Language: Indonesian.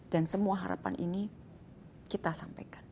dan semua harapan ini kita sampaikan